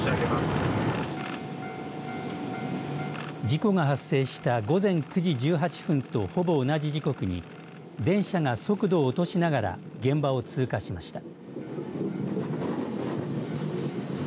事故が発生した午前９時１８分とほぼ同じ時刻に電車が速度を落としながら現場を通過しました。